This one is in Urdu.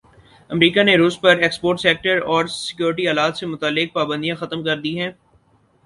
امریکا نے روس پرایکسپورٹ سیکٹر اور سیکورٹی آلات سے متعلق پابندیاں ختم کردی ہیں